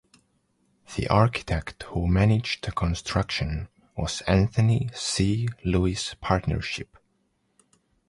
The architect who managed the construction was Anthony C. Lewis Partnership.